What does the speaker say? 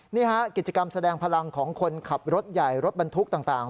นี่ฮะกิจกรรมแสดงพลังของคนขับรถใหญ่รถบรรทุกต่าง